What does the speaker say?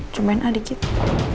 cuman adik kita